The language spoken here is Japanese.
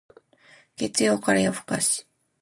月曜から夜更かし